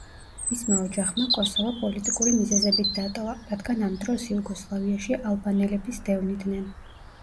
მისმა ოჯახმა კოსოვო პოლიტიკური მიზეზებით დატოვა, რადგან ამ დროს იუგოსლავიაში ალბანელების დევნიდნენ.